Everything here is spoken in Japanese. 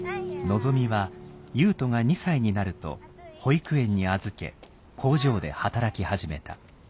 望は優斗が２歳になると保育園に預け工場で働き始めた。